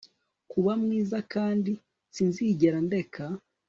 kuba mwiza kandi sinzigera ndeka